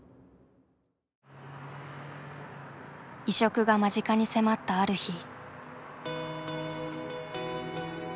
移植が間近に迫ったある日。